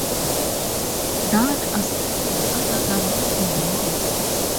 None are singing other than leading roles.